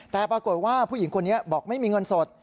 แต่ปรากฏว่าผู้หญิงคนนี้บอกไม่มีเงินสด